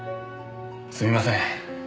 すいません。